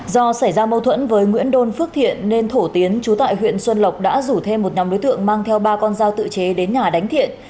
do xảy ra mâu thuẫn với nguyễn đôn phước thiện nên thổ tiến chú tại huyện xuân lộc đã rủ thêm một nhóm đối tượng mang theo ba con dao tự chế đến nhà đánh thiện